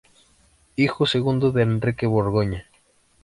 Hijo segundo de Enrique de Borgoña.